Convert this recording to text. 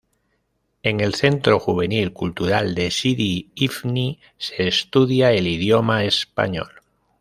En el Centro Juvenil Cultural de Sidi Ifni se estudia el idioma español.